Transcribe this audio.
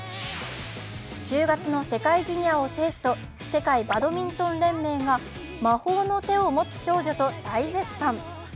１０月の世界ジュニアを制すと、世界バドミントン連盟が魔法の手を持つ少女と大絶賛。